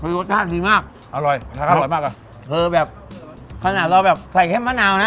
รสชาติดีมากอร่อยอร่อยมากอ่ะคือแบบขนาดเราแบบใส่เข้มมะนาวนะ